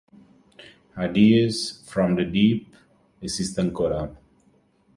Ideas From The Deep esiste ancora.